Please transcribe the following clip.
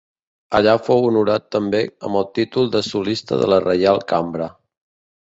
Allà fou honorat també amb el títol de solista de la Reial Cambra.